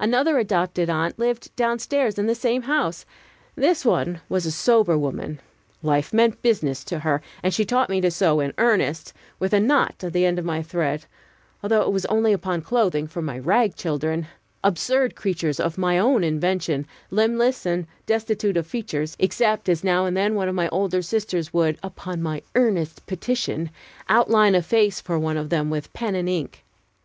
Another adopted aunt lived down stairs in the same house. This one was a sober woman; life meant business to her, and she taught me to sew in earnest, with a knot in the end of my thread, although it was only upon clothing for my ragchildren absurd creatures of my own invention, limbless and destitute of features, except as now and then one of my older sisters would, upon my earnest petition, outline a face for one of them, with pen and ink.